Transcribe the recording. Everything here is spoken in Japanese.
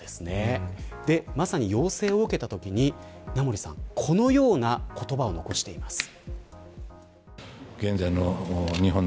まさに、要請を受けたときにこのような言葉を残しています。